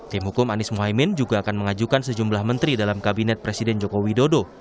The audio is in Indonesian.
tim hukum anies mohaimin juga akan mengajukan sejumlah menteri dalam kabinet presiden joko widodo